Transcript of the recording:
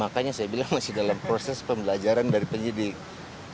makanya saya bilang masih dalam proses pembelajaran dari penyidik